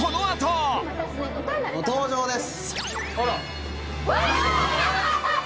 ご登場です